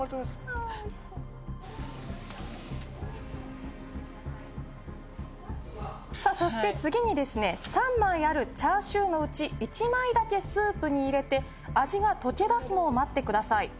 ああーおいしそうさあそして次にですね３枚あるチャーシューのうち１枚だけスープに入れて味がとけ出すのを待ってください